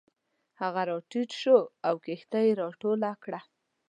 هغه راټیټ شو او کښتۍ یې راټوله کړه.